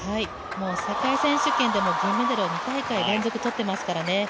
世界選手権でも銀メダルを２大会、連続で取っていますからね。